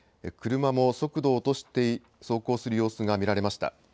車も速度を落として走行する様子が見られました。